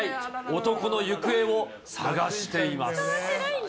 男の行方を捜しています。